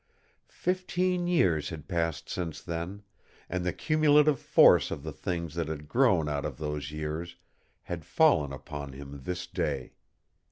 Fifteen years had passed since then, and the cumulative force of the things that had grown out of those years had fallen upon him this day.